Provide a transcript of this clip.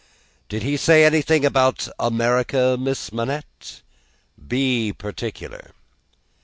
"Did he say anything about America, Miss Manette? Be particular."